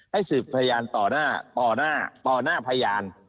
ให้สืบพยานต่อหน้าต่อหน้าพยาน